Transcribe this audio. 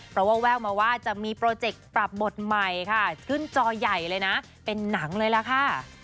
เพราะว่าแววมาว่าจะมีโปรเจกต์ปรับบทใหม่ค่ะขึ้นจอใหญ่เลยนะเป็นหนังเลยล่ะค่ะ